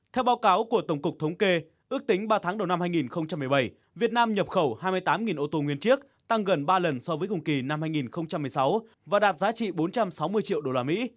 theo báo cáo của tổng cục thống kê ước tính ba tháng đầu năm hai nghìn một mươi bảy việt nam nhập khẩu hai mươi tám ô tô nguyên chiếc tăng gần ba lần so với cùng kỳ năm hai nghìn một mươi sáu và đạt giá trị bốn trăm sáu mươi triệu đô la mỹ